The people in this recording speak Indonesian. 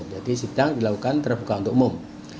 jadi sidang dilakukan terbuka untuk umum